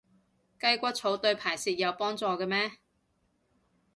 雞骨草對排泄有幫助嘅咩？